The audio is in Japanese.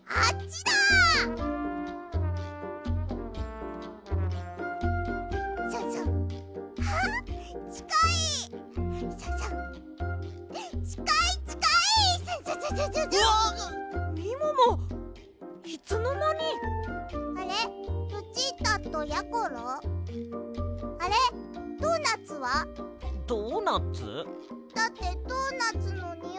だってドーナツのにおいが。